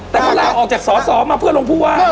แต่ก็ลาออกจากสอสอมาเพื่อลงผู้ว่า